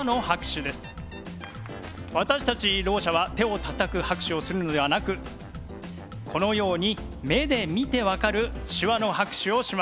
私たちろう者は手をたたく拍手をするのではなくこのように目で見て分かる手話の拍手をします。